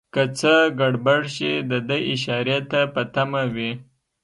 که څه ګړبړ شي دده اشارې ته په تمه وي.